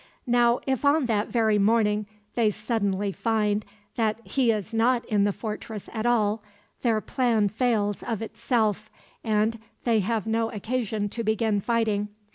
Now, if on that very morning they suddenly find that he is not in the fortress at all, their plan fails of itself, and they have no occasion to begin fighting.